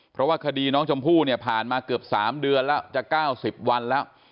เพราะว่าคดีน้องจำผู้เนี่ยผ่านมาเกือบสามเดือนแล้วจะเก้าสิบวันแล้ว